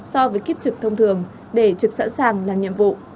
so với kiếp trực thông thường để trực sẵn sàng làm nhiệm vụ